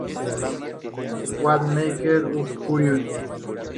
What Makes Us Curious".